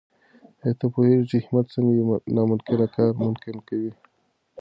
آیا ته پوهېږې چې همت څنګه یو ناممکن کار ممکن کوي؟